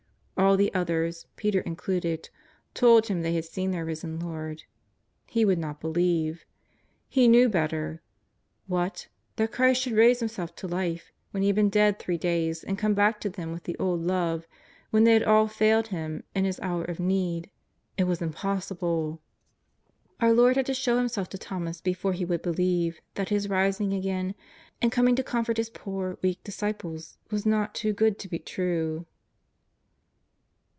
All the others, Peter included, told him they had seen their risen Lord. He would not believe. He knew better. What ! that Christ should raise Himself to life when He had been dead three days, and come back to them with the old love when they had all failed Him in His hour of need — it was impossible. Our Lord had to show Him self to Thomas before he would believe that His rising again and coming to comfort His poor, weak disciples was not too good to be true.